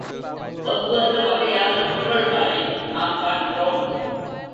வெவ்வெறு வகையான பொருள்களை நாம் காண்கிறோம்.